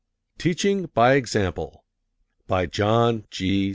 TEACHING BY EXAMPLE BY JOHN G.